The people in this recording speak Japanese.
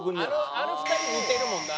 あの２人似てるもんな。